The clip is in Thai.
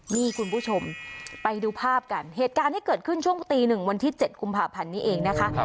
นี่คุณผู้ชมไปดูภาพกันเหตุการณ์ที่เกิดขึ้นช่วงตีหนึ่งวันที่๗กุมภาพันธ์นี้เองนะคะ